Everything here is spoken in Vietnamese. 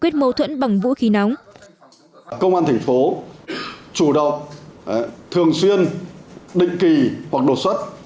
chủ động thường xuyên định kỳ hoặc đột xuất